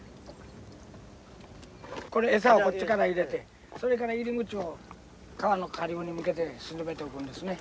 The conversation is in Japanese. これ餌をこっちから入れてそれから入り口を川の下流に向けて沈めておくんですね。